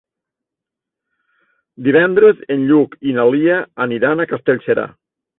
Divendres en Lluc i na Lia aniran a Castellserà.